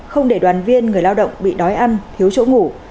không để đoàn viên người lao động bị đói ăn thiếu chỗ ngủ